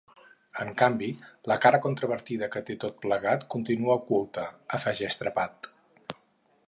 En canvi, la cara controvertida que té tot plegat continua oculta –afegeix Trepat–.